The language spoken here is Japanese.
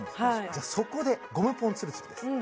じゃあそこでゴムポンつるつるです